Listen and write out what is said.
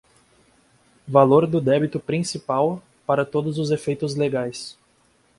valor do débito principal, para todos os efeitos legais.